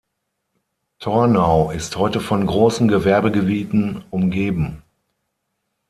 Tornau ist heute von großen Gewerbegebieten umgeben.